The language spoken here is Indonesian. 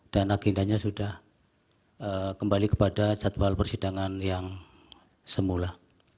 dan agendanya sudah kembali kepada jadwal persidangan yang semula